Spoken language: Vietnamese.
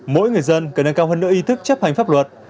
mỗi người dân cần nâng cao hơn nửa ý thức chấp hành pháp luật